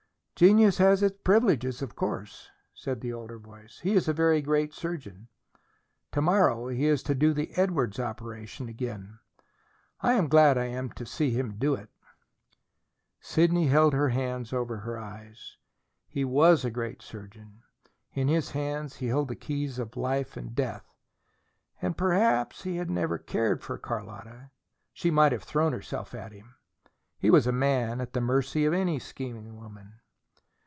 "Genius has privileges, of course," said the older voice. "He is a very great surgeon. To morrow he is to do the Edwardes operation again. I am glad I am to see him do it." Sidney still held her hands over her eyes. He WAS a great surgeon: in his hands he held the keys of life and death. And perhaps he had never cared for Carlotta: she might have thrown herself at him. He was a man, at the mercy of any scheming woman.